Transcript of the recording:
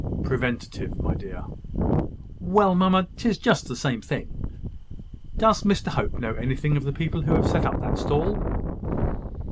"Preventive, my dear." "Well, mamma, 'tis just the same thing. Does Mr Hope know anything of the people who have set up that stall?"